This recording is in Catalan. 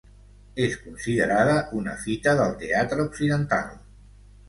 És considerada una fita del teatre occidental.